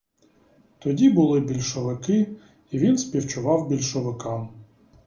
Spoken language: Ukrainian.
Тоді були більшовики, і він співчував більшовикам.